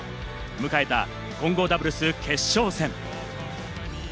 迎えた混合ダブルス決勝戦。